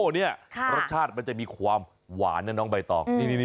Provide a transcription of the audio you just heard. นี่รสชาติมันจะมีความหวานนะน้องใบตอง